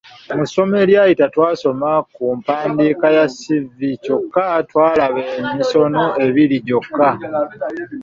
Mu ssomo eryayita twasoma ku mpandiika ya ‘ssivvi’ kyokka twalaba emisono ebiri gyokka.